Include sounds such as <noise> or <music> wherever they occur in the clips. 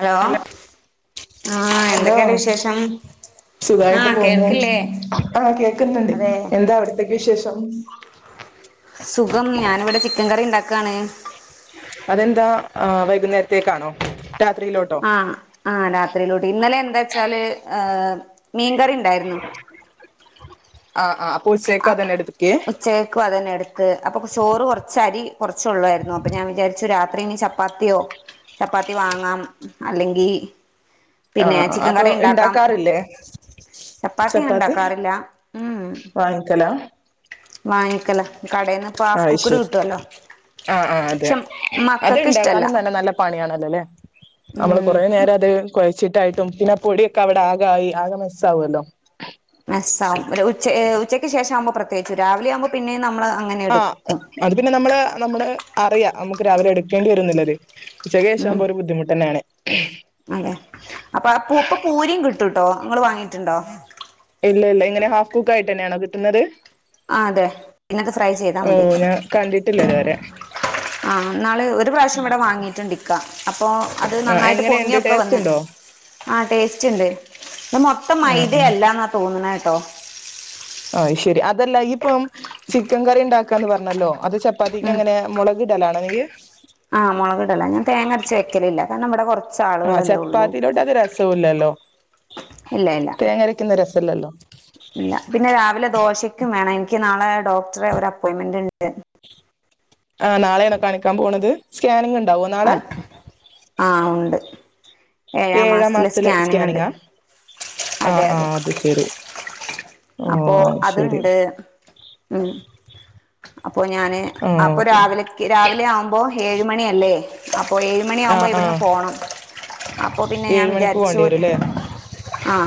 Hello ഹ ആഹ് hello എന്തൊക്കെയുണ്ട് വിശേഷം സുഖായിട്ട് ആഹ് പോന്നു കേൾക്കില്ലേ ആഹ് കേക്കുന്നുണ്ട് അതെ എന്താ അവിടത്തേക്ക് വിശേഷം ക്കണ അതെന്താ വൈകുന്നേരത്തേക്കാണോ രാത്രിയിലോട്ടോ ആ ആഹ് രാത്രി <unintelligible> ഇന്നലെ എന്താച്ചാല് മീൻ കറി <unintelligible> ആ ആ ആ ഉച്ചക്കും അതന്നെ എടുക്ക് അപ്പൊ ചോറ് കുറച്ച അരി കുറച്ചള്ളായിരുന്നു അപ്പൊ ഞാൻ വിചാരിച്ചു രാത് രാത്രിനി ചപ്പാത്തിയോ ചപ്പാത്തി വാങ്ങാം അല്ലെങ്കി പിന്നെ ആഹ് അ ചിക്കൻ അപ്പൊ കറി ഉണ്ടാക്കാം ഉണ്ടാക്കാറില്ലേ ഞാൻ ചപ്പാത്തി ഉണ്ടാക്കാറില്ല ഉം വാങ്ങിക്കല വാങ്ങിക്കല കടയിൽന്ന് ഇപ്പ ആ ഹാഫ് കുക്ക്ഡ് ശരി കിട്ടുവല്ലോ ആഹ് ആഹ് അതെ പക്ഷെ അത് മക്കൾക്ക് ഇഷ്ടല്ല ഇണ്ടാക്കാനും നല്ല നല്ല പണിയാണല്ലോല്ലേ നമ്മള് ഉം കൊറെ നേരം അത് കുഴച്ചിട്ട് യിട്ടും പിന്നെ പൊടിയൊക്കെ അവിടെ ആക ആയി ആകെ മെസ്സാവല്ലോ സ ഒരു ഉച്ചയെ ഉച്ചക്ക് ശേഷ ആകുമ്പൾ പ്രതേകിച്ചു രാവിലെവുമ്പോ പിന്നെയ നമ്മള് അങ്ങനെ ആ എടുക്കും അത് പിന്നെ നമ്മള് നമ്മള് അറിയാം നമുക്ക് രാവിലെ എടുക്കേണ്ടി വരുന്നില്ലത് ഉച്ചക്ക്ശേഷം ഉം ആവുമ്പോ ഒരു ബുദ്ധിമുട്ടെന്നേണ് <inaudible> അതെ അപ്പൊ അപ്പാപ്പം പൂരിയും കിട്ടുംട്ടോ നിങ്ങൾ വാങ്ങിട്ടുണ്ടോ ഇല്ല ഇല്ല ഇങ്ങനെ ഹാഫ് കുക്കായിട്ട് തന്നെയാണോ കിട്ടുന്നത് ആ അതെ പിന്ന ഫ്രൈ ചെയ്താ ഓ മതി ഞാൻ കണ്ടിട്ടില്ല ഇതുവരെ ആ ഇന്നാള് ഒരു പ്രാവശ്യം ഇവിടെ വാങ്ങിട്ടുണ്ട് ഇക്ക അപ്പോൾ അത് ആ നന്നായിട്ട് എങ്ങനെയുണ്ട് പൊങ്ങിയൊക്കെ ടേസ്റ്റ് വന്ന് ഉണ്ടോ ആ ടേസ്റ്റ് ഉണ്ട് ഇപ്പ മൊത്തം ആ മൈദ അല്ല എന്ന തോന്നുന്നത് ഉണ്ടോ ആ ശരി അതല്ല ഇപ്പം ചിക്കൻ കറി ഉണ്ടാക്കാന്ന് പറഞ്ഞല്ലോ അത് ചപ്പ ഉം ചെപ്പാത്തിക്കെങ്ങനെ മുളകിടലാ നനിങ്ക <unintelligible> ആ മുളക് ഇടല ഞാൻ തേങ്ങ അരച്ച ല ക നമ്മുടെ കുറ <unintelligible> ആ ചപ്പാത്തിയിലോട്ട് അത് രസവല്ലല്ലോ ഇല്ല ഇല്ല തേങ്ങരയ്ക്കുന്ന രസല്ലല്ലോ ഇല്ല പിന്നെ രാവിലെ ദോശയ്ക്കും വേണം എനിക്ക് നാളെ ഡോക്ടറെ ഒരു അപ്പോയിൻമെന്റ് ഉണ്ട് ആ നാളെണോ കാണിക്കാൻ പോണത് സ്കാനിങ് ഉ അപ്പ ആ ഉണ്ട് ഏഴാം മാസത്തിലെ മാസത്തില സ്കാനിങ് ഉണ്ട് സ്കാനിങ്ങാ ആ അതെ ആ അതെ അത് ശരി ഓ അപ്പോ ശരി അതുണ്ട് ഉം അപ്പൊ ഞാന് ആ അപ്പൊ ഓക്കെ രാവിലെക്ക് രാവിലെ ആവുമ്പോ ഏഴ് മണിയ അല്ലേ ഇപ്പോൾ ഏഴ് ആ മണിയാകുമ്പോൾ ആ ഇവിടുന്ന് പോണം അപ്പൊ പിന്നെ ഞാൻ ഏഴ് മണിക്ക് വിചാരിച്ചു പോകേണ്ടി വരുംല്ലേ ആ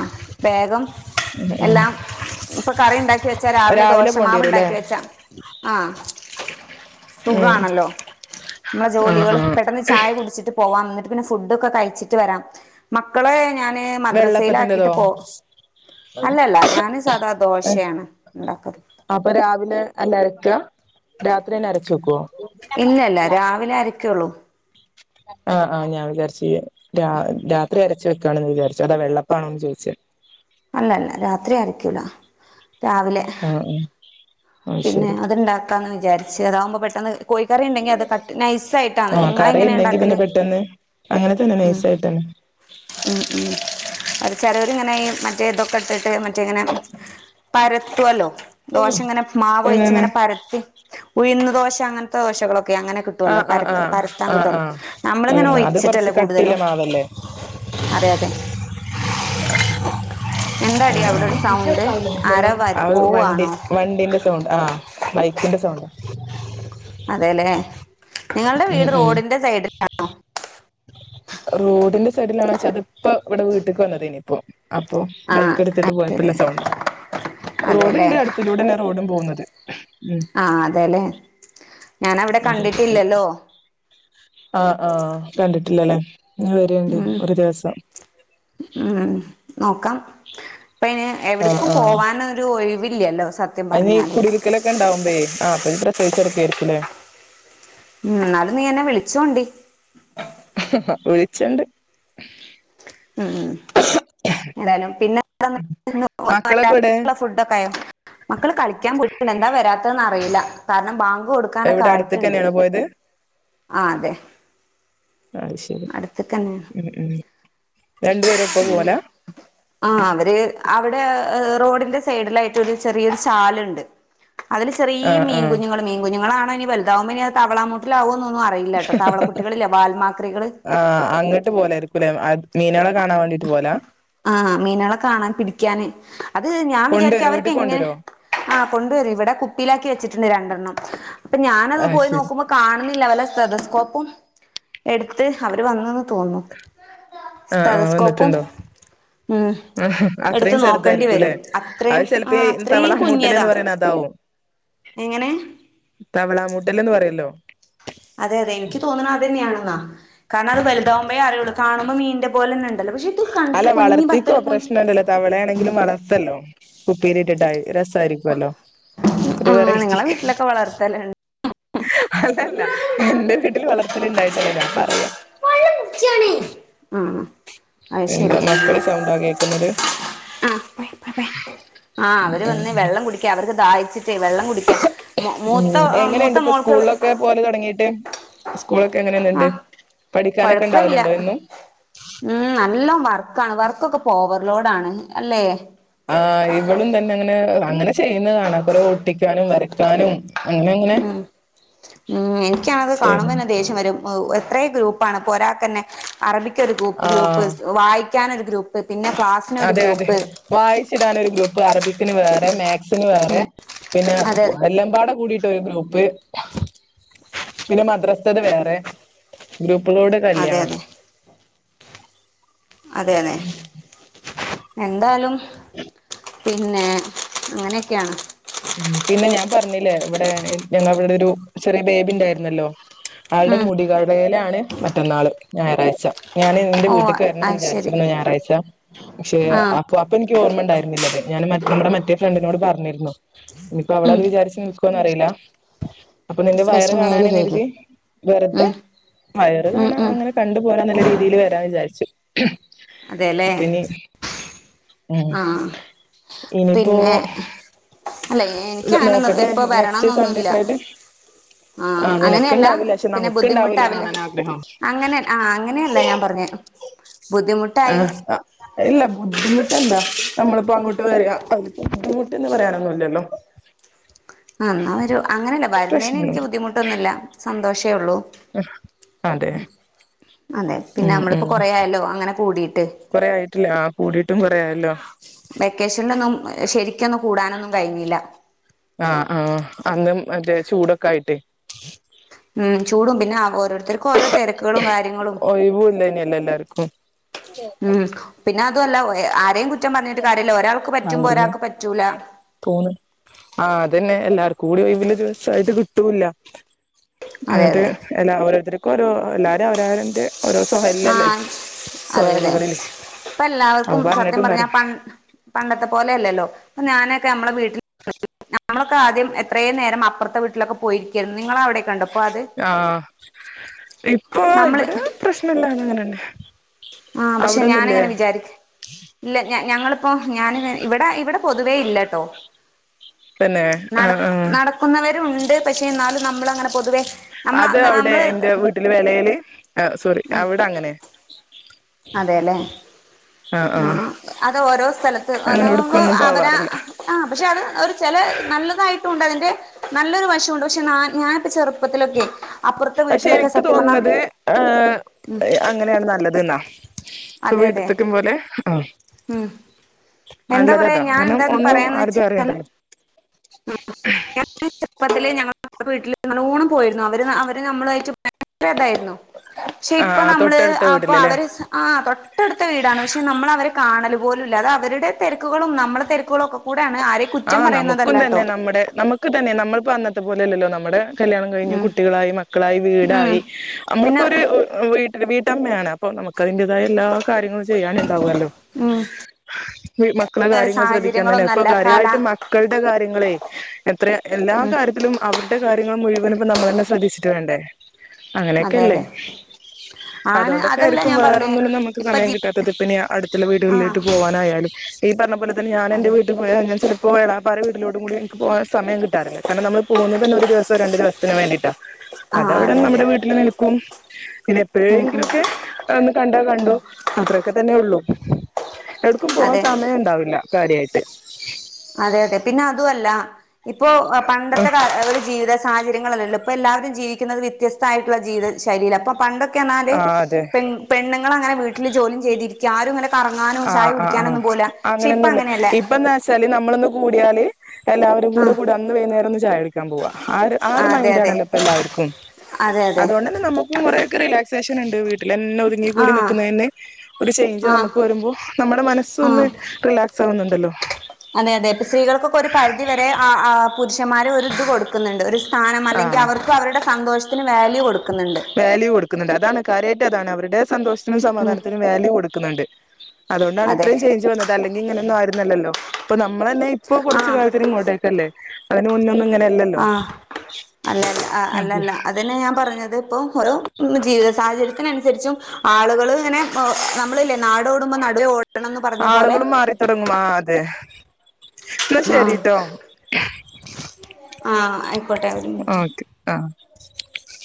വേഗം ഉം ഉം എല്ലാം ഇപ്പൊ കറി ഉണ്ടാക്കി വെച്ചാ രാവിലെ പോകേണ്ടി ദോഷമാവ് വരുംല്ലേ ഉണ്ടാക്കി വെച്ചാ ആ <inaudible> ഉം സുഖമാണല്ലോ നമ്മളെ ആ ആ ജോലികള് പെട്ടെന്ന് ചായ കുടിച്ചിട്ട് പോവാ എന്നിട്ട് പിന്നെ ഫുഡൊക്കെ ക കഴിച്ചിട്ട് വരാം മക്കളെ ഞാൻ മദ്രസയില വെള്ളപ്പത്തിന്റെതോ ആക്കിട്ട് പോ അല്ലല ഞാന് സാദാ ദോശയാണ് ഉണ്ടാക്കത് ത <unintelligible> ഇല്ല ഇല്ല രാവിലെ അരക്കുള്ളൂ ആഹ് ആഹ് ഞാൻ വിചാരിച്ചു രാ രാത്രി അരച്ച വെക്കണന്ന് വിചാരിച്ചു അതാ വെള്ളപ്പാണോന്ന് ചോദിച്ചത് അല്ലല്ല രാത്രി അരക്കൂല രാവിലെ ആ ആ അത് പിന്നെ ശരി അത്ണ്ടാക്കാന്ന് വിചാരി ചതാവുമ്പോ പെട്ടെന്ന് കോഴിക്കറി ഇണ്ടെങ്കി അത് കട്ട് നൈസായിട്ടാന്ന് ആ കറി നിങ്ങളെങ്ങനെ ഉണ്ടെങ്കി പിന്നെ ഇണ്ടാക്കല് പെട്ടെന്ന് അങ്ങനെ തന്നെ ഉം നൈസായിട്ടന്നെ ഉം ഉം അത് ചെലോര് ഇങ്ങനെ ഈ മറ്റേ ഇതൊക്കെട്ടിട്ട് മറ്റേ ഇങ്ങനെ പരത്തുവല്ലോ ഓ മാവോയിച്ച് ഇങ്ങനെ പരത്തി ഉഴുന്ന് ദോശ അങ്ങൻത്തെ ദോശകളൊക്കെ ക്കെ അങ്ങനെ കിട്ടുവല്ലോ ആഹ് ആഹ് പരക്ക് ആഹ് പരത്താൻ ആഹ് കിട്ടുവല്ലോ ആഹ് നമ്മളിങ്ങനെ ഉഴുന്ന് അത് കൊറച്ച് ഒയിച്ചിട്ടല്ലേ കട്ടില്ല കൂടുതലും മാവല്ലേ അതെ അതെ. ആരാ വര അ വണ്ടി പോവാണോ വണ്ടിന്റെ സൗണ്ട് ആഹ് ബൈക്കിൻ്റെ സൗണ്ടാ അതെല്ലേ നിങ്ങളുടെ ഉം വീട് ഉം റോഡിന്റെ സൈഡിലാണോ റോഡിന്റെ സൈഡിലാണോച്ച അതിപ്പ ഇവിടെ വീട്ടിക്ക് വന്നതായ്ന് ഇപ്പോ അപ്പോ ആ ബൈക്ക് എടുത്തിട്ട് അത് ശരി പോയപ്പോല്ല സൗണ്ടാ റോഡിണ്ട് അടുത്തിലൂടെന്നെയ റോഡും പോവുന്നത്. ആഹ് അതെല്ലേ ഞാനവിടെ അതെ അതെ കണ്ടിട്ടില്ലല്ലോ അ ആ ആഹ് കണ്ടിട്ട് ട്ടില്ലലേ ഇങ്ങൾ വരെണ്ടി ഉം ഒരു ദിവസം ഉം നോക്കാം ഇപ്പ അയ്ന് എവിടെക്കും പോവാന് ഒരു ഒയിവി ഇല്ലല്ലോ സ് അതിന് കുടിയിലിക്കലൊക്കെണ്ടാവുമ്പയേ ആ അപ്പൊ നീ പ്രസവിച്ചെ ക്കെ ആരിക്കുല്ലെ ഉം എന്നാലും നീ എന്നെ വിളിച്ചോണ്ടി ഹാ വിളിച്ചണ്ട് ഉം ഏതായാലും പിന്നെ <unintelligible> മക്കളൊക്കെ എവിടെ ഫുഡൊക്കെ ആയോ മക്കള് കളിക്കാൻ പോയിണ്ട് എന്താ വരാത്തന്ന റിയില്ല കാരണം ബാങ്ക് എവിടെ അട്ത്ത്ക്കെന്നേണോ പോയത്? ആഹ് അതെ അഹ് ശരി ഉം ഉം രണ്ടുപേരും ഒപ്പം ഉം പോവലാ ആഹ് അവര് അവടേ ഏഹ് റോഡിന്റെ സൈഡിലായിട്ട് ഒരു ചെറിയൊരു ചാല്ണ്ട്. അതില് ചെറിയ ആഹ് ആഹ് മീൻകുഞ്ഞുങ്ങൾ മീൻകുഞ്ഞുങ്ങളാ മനി വൽതാവുമ്പ ഇനിയെ തവളാമൂട്ടില ആഓ ആഹ് അങ്ങട്ട് പോലായിരിക്കുലേ? അ ആഹ് മീനേളെ കാണാൻ പിടിക്കാന് അത് ഞാൻ കൊണ്ടുവരോ വിചാരിക്കും അവര്ക്ക് വീട്ടിക്ക് എങ്ങനെ കൊണ്ടുവരോ ആഹ് കൊണ്ടുവരും ഇവിടെ കുപ്പിയിലാക്കി വെച്ചിട്ടുണ്ട് രണ്ടെണ്ണം. പ്പം ഞാനത് ആഹ് പോയി ശരി നോക്കുമ്പോ കാണുന്നില്ല വല്ല സ്തസ് കൊഒപ്പം എടുത്ത് അവര് വന്ന്ന്ന് തോന്ന്ന്നു. ആഹ് ആഹ് വന്നിട്ട്ണ്ടോ? ഉം അ ഹെ എടുത്ത് അത്രയും നോക്കേണ്ടി വരും ചെറുതായിരിക്കുലേ. അത്രയും അഹ് ആ ചെലപ്പോ ഈ തവള അത്രയും കുഞ്ഞതാ മൂട്ടലേന്ന് പറയ്ണതാവും. എങ്ങനെ തവളാമൂട്ടല്ന്ന് പറയല്ലോ? അതെ അതെ എനിക്ക് തോന്ന്ണ അതെന്ന്യാണ്. കാര്ണം അത് വലുതാവുമ്പേ അറിയുള്ളൂ കാണുമ്പോ മീൻന്റെ പോലെ ന്നെ അല്ല വളർത്തിക്കോ പ്രശ്നലലൊ തവളേണെങ്കിലും വളർത്തല്ലോ. കുപ്പീല് ഇട്ടിട്ടായി രസ ആയിരിക്ക്വോല്ലോ. ആഹ് നിങ്ങളെ വീട്ടിലൊക്കെ വളർത്തലെ അതല്ല എന്റെ വീട്ടില് വളർത്തല് ഇണ്ടായിട്ടല്ല ഞാൻ പറയാ. ഉം. അഹ് എന്താ ശെരി മക്കളെ സൗണ്ടാ കേക്കുന്നത് ആഹ് ആഹ് ഉം അവര് വന്ന് വെള്ളം കുടിക്ക അവർക്ക് ദാഹിച്ചി വെള്ളം കുടിക്ക മു ഉം മൂത്ത ഉം മൂത്ത എങ്ങനെയുണ്ട് ഇപ്പൊ മോൾക്ക് സ്കൂളിലൊക്കെ പോവല് തൊടങ്ങീട്ട് സ്കൂളൊക്കെ എങ്ങനെന്ന്ണ്ട് ആ പഠിക്കാനൊക്കെ കൊഴപ്പ ഇണ്ടാവല് ഇണ്ടോ ഇല്ല എന്നും? ക്കെ ഇപ്പൊ ഓവർലോഡ് ആണ് അല്ലേ? ആ ഇവളും തന്നെ അങ്ങനെ അങ്ങനെ ചെയ്യുന്ന കാണാ കുറെ ഒട്ടിക്കാനും വരക്കാനും അങ്ങനെ അങ്ങനെ ഉം ഉം എനിക്കണത് ചെയ്യണം കാണുമ്പോന്നെ ദേഷ്യം വരും. എത്രയും ഗ്രൂപ്പാണ് ഇപ്പൊ ഒരാക്കന്നെ അറബി പ്പ് ആഹ് വായി ക്കാൻ ഒരു ഗ്രൂ അതെ അതെ വായിച്ചിടാന് ഒരു ഗ്രൂപ്പ് അറബിക് ന് വേറെ ന് വേറെ ഉം പിന്നെ അതെ എല്ലമ്പാടെ കൂടിട്ട ഒരു ഗ്രൂപ്പ്. പിന്നെ മദ്രാസത്ത് വേറെ ഗ്ര <unintelligible> അതെ അതെ കല്യാണം. അതെ അതെ അതെ എന്താലും ഉം <unintelligible> പിന്നെ അങ്ങനെയൊക്കെയാണ് ഉം പിന്നെ ഞാൻ പറഞ്ഞില്ലേ ഇവിടെ ഞങ്ങ ഇവിടെ ഒരു ചെറിയ ബേബി ഉണ്ടായിരുന്നല്ലോ ആളുടെ ഉം മുടികടയില ആണ് മറ്റന്നാള് ഞായറാഴ്ച ഞാന് നിന്റെ ഓ വീട്ടേക്ക് വരണ എന്ന് അത് ശരി വിചാരിച്ചിരുന്നു ഞായറാഴ്ച പക്ഷെ ആഹ് അപ്പൊ അപ്പ എനിക്ക് ഓമ്മ ഉണ്ടായിരുന്നില്ലല്ലേ ഞാൻ നമ്മുടെ മറ്റേ ഫ്രണ്ടിനോട് പറഞ്ഞിരുന്നു ഇപ്പ ഉം അവളത് വിചാരിച്ച് നിക്കും ന്ന അറിയില്ല അപ്പൊ നിന്റെ വയറ് കഴിച്ചിട്ട് മേല് കഴുക് കാണാനരുതി വെറുതെ ഉം വയറ് ഉം കാണാൻ ഉം അങ്ങനെ കണ്ടുപോകൻ നല്ല രീതിയിൽ വരാന്ന് വിചാരിച്ചു ശ <unintelligible> അതെല്ലേ ഉ ആഹ് ഇനിപ്പോ പിന്നെ അല്ല എനിക്ക് അങ്ങനെ നോക്കട്ടെ ഇപ്പൊ നെക്സ്റ്റ് സൺഡേ വരണംന്നൊന്നുമില്ല ഒക്കെ ആയിട്ട് ആ ആ് നിനക്ക അങ്ങനെയല്ല ഇണ്ടാവില്ല പക്ഷെ പിന്നെ നമുക്ക ഇണ്ടാവില്ലോ ബുദ്ധിമുട്ടാവില്ല കാണാൻ ആഗ്രഹം അങ്ങനെ ആ അങ്ങനെയല്ല ഞാൻ പറഞ്ഞേ ബുദ്ധിമുട്ടായി ആഹ ഇല്ല ബുദ്ധിമുട്ടെന്താ നമ്മളിപ്പോ അങ്ങോട്ട് അ ബുദ്ധിമുട്ടെന്ന് പറയാന ല്ലല്ലോ ആ ഒരു അങ്ങനെയല്ല വരുന്നതിന് എനിക്ക് ബുദ്ധിമുട്ടൊന്നുമില്ല സന്തോഷം കേ ഉള്ളൂ അതെ അതെ ഉ പിന്നെ ഉ നമ്മളിപ്പോ കൊറേ ആയല്ലോ അങ്ങനെ കൂടിയിട്ട് കൊറെ ആയിട്ടില്ല ആ കൂടിയിട്ടും കൊറെയായല്ലോ വെക്കേഷനിലൊന്നും ശരിക്കൊന്നും കൂടാനൊന്നും കഴിഞ്ഞില്ല ആ ആ അന്നും മറ്റേ ചൂടൊക്കെ ആയിട്ട് ഉം ചൂടും പിന്നെ ആക ഓരോരുത്തർക്കും ഓരോ തിരക്കുകളും കാര്യങ്ങളും ഒഴിവും ഇല്ലനല്ലല്ലാർക്കും ഉം പിന്നെ അതുമല്ല ആരെയും കുറ്റം പറഞ്ഞിട്ട് കാര്യമില്ല ഒരാൾക്ക് ആ പറ്റുമ്പോ ഒരാൾക്ക് പറ്റൂല തോന്ന ആ അതന്നെ എല്ലാർക്കും കൂടി വേണ്ടി ദിവസയിട്ട് കിട്ടൂല്ല അതെ അങ്ങനത്തെ അതെ എല്ലാ ഓരോരുത്ത ഒരു എല്ലാരും അവരാരന്റെ ആ അതെ അതെ സൊഹലുകളില് ഇപ്പ എല്ലാവർക്കും അപ്പൊ സത്യം പറഞ്ഞിട്ടും പറഞ്ഞാ കാര്യല്ല പ പണ്ടത്തെ പോലെല്ലല്ലോ ഇപ്പ ഞാന നമ്മ വീട്ട നമ്മളൊക്കെ ആദ്യം എത്രയും നേരം അപ്പുറത്തെ വീട്ടിലൊക്കെ പോയിരിക്കരുന്നു നിങ്ങളവി ആ ഇപ്പൊ ഇവിടെ പ്രശ്നല്ലാത അങ്ങനെണ്ട് അ <unintelligible> ആ പക്ഷെ ഞാനങ്ങനെ വിചാരിക്ക ഇല്ല ഞങ്ങള് അപ്പൊ ഞാന് ഇവിടെ ഇവിടെ പൊതുവേ ഇല്ലട്ടോ തന്നെ നട ആഹ് ആഹ് നടക്കുന്നവരും ഉണ്ട് പക്ഷേ ന്നാലും നമ്മളങ്ങനെ പൊതുവേ അത് അവിടെ എന്റെ വീട്ടില് വെണെൽ അ സോറി അവിടെ അങ്ങനെ അതെല്ലെ ആഹ് ആ ആഹ് അത് ഓരോ സ്ഥലത്ത് അങ്ങനെ അതാവുമ്പോ എവിട്ക്കൊന്നും അവരാ പോവാറില്ല ആ പക്ഷെ അത് ഒരു ചെലേ നല്ലതായിട്ടും ഉണ്ടായി നല്ലൊരു വശമുണ്ട് പക്ഷെ ഞ ഞാനിപ്പ ചെറുപ്പത്തിലൊക്കെ അപ്പുറത്തെ പക്ഷെ വീട്ടിലൊക്കെ എനിക്ക് സത്യം പറഞ്ഞാ തോന്നുന്നത് ആ അങ്ങനെയാണ് നല്ലത് എന്നാ ഇപ്പ അതെ അതെ വീട്ട്ത്തക്കും പോലെ ആ ഉം എന്താ നല്ലത പറയാ താ ഞാൻ കാരണം എന്താന്ന് ഒന്നും പറയാന്ന് ആരതും വെച്ചാല് അറിയണ്ടല്ലോ ഞ വീട്ടില് നല്ലോണം പോയിരുന്നു അവര് അവര് നമ്മളായിട്ട് ഭയങ്കരതായിരുന്നു പക്ഷെ ആ ഇപ്പൊ നമ്മള് തൊട്ടടുത്ത അപ്പൊ വീട്ടിലല്ലേ അവര് ആ തൊട്ടടുത്ത വീടാണ് പക്ഷെ നമ്മള് അവരെ കാണലും അതുപോലുല്ല അത് അവരുടെ തിരക്കുകളും നമ്മുടെ തിരക്കുകളും ഒക്കെ കൂടെയാണ് ആരെയും ആ കുറ്റം നമുക്കും പറയുന്നതല്ലാട്ടോ തന്നെ നമ്മുടെ നമുക്ക് തന്നെ നമ്മൾപ്പോ അന്നത്തെ പോലെ ല്ലല്ലോ നമ്മടെ കല്യാണം കഴിഞ്ഞു ഉം കുട്ടികളായി മക്കളായി ഉം വീടായി പിന്നെ നമ്മളിപ്പോ ഒരു വീട്ടില് വ ട്ടഅമ്മയാണ് അപ്പോ നമുക്ക് അതിന്റേതായ എല്ലാ കാര്യങ്ങളും ചെയ്യാനു ണ്ടാവോല്ലോ ഉം മക്കളെ കാര്യങ്ങൾ ശ്രദ്ധിക്കാൻ തന്നെ ഇപ്പൊ സാഹചര്യങ്ങളൊന്നല്ല കാല കാര്യമായിട്ട് മക്കളുടെ കാര്യങ്ങളെ എത്ര എല്ലാ ഉം കാര്യത്തിലും അവരുടെ കാര്യങ്ങൾ മുഴുവനുംപ്പോ നമ്മളെന്നെ ശ്രദ്ധിച്ചിട്ട് വേണ്ടേ അതെ അങ്ങനെയൊക്കെല്ലേ അതെ ആണ് അതുകൊണ്ടൊക്കെ അതല്ല ആയിരിക്കും ഞാൻ പറഞ്ഞേ വേറൊന്നിനും നമുക്ക് ഇപ്പൊ സമയം ജി കിട്ടാത്തത് പിന്നെ അടുത്തുള്ള ആഹ് വീടുകളിലേട്ട് പോവാനായാലും ഈ പറഞ്ഞ പോല ഞാനെന്റെ അതെ പോയാൽ ഞാൻ ചിലപ്പോ എളാപ്പാരെ വീട്ടിലോട്ടും കൂടി നിക്ക് പോകാൻ സമയം കിട്ടാറില്ല കാരണം നമ്മള് പോകുന്നതെന്നെ ഒരു ദിവസൊ രണ്ടു ദിവത്തിന് വേണ്ടീട്ടാ ആഹ് അതവിടെ അതെ അതെ നമ്മുടെ വീട്ടില് നിൽക്കും പിന്നെ ഉം ഉം എപ്പോഴെങ്കിലൊക്കെ ഒന്ന് കണ്ടാ ഉം കണ്ടു അത്ര ഒക്കെ തന്നെ ഉള്ളു എവിട്ക്കും പോവാൻ അതെ സമയം ഉണ്ടാവില്ല കാര്യായിട്ട് അതെ അതെ പിന്നെ അതുമല്ല ഇപ്പോ പണ്ടത്തെകാല ഒരു ജീവിത സാഹചര്യങ്ങളലല്ലോ ഇപ്പം എല്ലാവരും ജീവിക്കുന്നത് വ്യത്യസ്തമായിട്ടുള്ള ജീവിത ശൈലിലാ അപ്പം പണ്ടൊ ക്കെ പറഞ്ഞാൽ ആ അതെ പെൺ പെണ്ണുങ്ങൾ അങ്ങനെ വീട്ടിൽ ജോലി ചെയ്തിരിക്ക ക്കാ ആരുംങ്ങനെ ആഹ് ആ ആഹ് ഇപ്പ അങ്ങനെയൊന്നുല്ല അങ്ങനെയല്ല ഇപ്പം എന്താ വെച്ചാല് നമ്മളൊന്ന് കൂടിയാൽ എല്ലാവരും കൂടെ ആഹ് കൂടിയാ അന്ന് വൈകുന്നേരം ഒന്ന് ചായകുടിക്കും ക്കാൻ പോക ആ ഒരു അതെ മൈൻഡ് അതെ ആണല്ലോ ഇപ്പൊ എല്ലാവർക്കും അതെ അതെ അതുകൊണ്ടന്നെ നമ്മക്കും കൊറേ ഒക്കെ റിലേ സെക്ഷൻ ഇണ്ട് വീട്ടിലന്നെ ഒതുങ്ങ കൂടി ആഹ് നിക്കുന്നതിന് ഒരു ചേഞ്ച് ആഹ് നമുക്ക് വരുമ്പോ നമ്മുടെ മനസ് ഒന്ന് ആഹ് റിലാക്സ് കുന്നുണ്ടല്ലോ അതെ അതെ ഇപ്പ സ്ത്രീകൾക്കൊക്കെ ഒരു പരിധി വരെ ആ ആ പുരുഷന്മാർ ഒരിത് കൊടുക്കുന്നുണ്ട് ഒരു സ്ഥാനം അല്ലെങ്കിൽ ആഹ് അവർക്ക് അവരുടെ സന്തോഷത്തിന് വാല്യൂ കൊടുക്കുന്നുണ്ട് വാല്യൂ കൊടുക്കുന്നുണ്ട് അതാണ് കാര്യമായി താണ് അവരുടെ സന്തോഷത്തിനും ഉം സമാധാനത്തിനും വാല്യൂ കൊടുക്കുന്നുണ്ട് അതുകൊണ്ടാണ് അതെ ഇത്രയും ചേഞ്ച് വന്നത് അല്ലെങ്കിൽ ഇങ്ങനൊന്നും ആയിരുന്നല്ലല്ലോ ഇപ്പൊ നമ്മ നമ്മൾ തന്നെ ഇപ്പോ കുറച്ച് കാലത്തിന് ഇങ്ങോട്ടേക്കല്ലേ അതിന് മുന്നൊന്നും ഇങ്ങനെയല്ലല്ലോ ആഹ അല്ല അതെ അല്ലല്ല അതന്നെ ഞാൻ പറഞ്ഞത് അത്പ്പോ ഓരോ ജീവിത സാഹചര്യത്തിനനുസരിച്ചും ആളുകൾ ഇങ്ങെനെ നമ്മൾ നാട് ഓടുമ്പോ നടുവെ ഓടണംന്ന് പറഞ്ഞ പോലെ ആളുകളും എന്ന ആഹ് ശരിട്ടോ ആഹ ക്കോട്ട ഒരു മിനിറ്റ് ഓക്കെ <unintelligible>